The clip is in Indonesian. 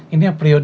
ini yang periode